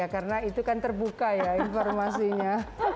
karena itu kan terbuka ya informasinya